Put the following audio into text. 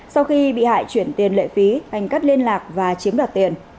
sau khi bị hại chuyển tiền lệ phí anh cắt liên lạc và chiếm đoạt tiền